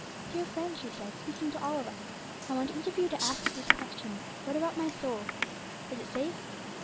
Dear friends," she said, speaking to all of us, "I want each of you to ask this question: What about my soul? Is it safe?"